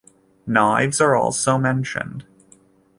Knives are also mentioned.